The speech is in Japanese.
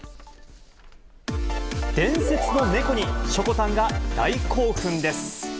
伝説の猫に、しょこたんが大興奮です。